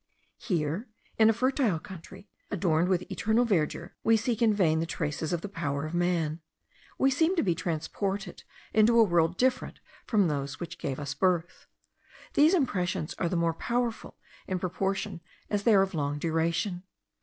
Here, in a fertile country, adorned with eternal verdure, we seek in vain the traces of the power of man; we seem to be transported into a world different from that which gave us birth. These impressions are the more powerful in proportion as they are of long duration.